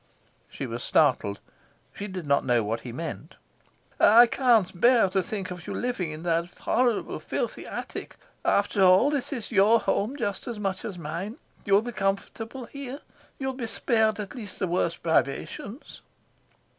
She was startled. She did not know what he meant. "I can't bear to think of you living in that horrible, filthy attic. After all, this is your home just as much as mine. You'll be comfortable here. You'll be spared at least the worst privations."